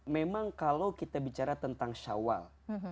memang kalau kita bicara tentang syawal